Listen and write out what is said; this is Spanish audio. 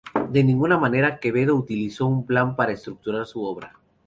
De ninguna manera Quevedo utilizó un plan para estructurar su obra.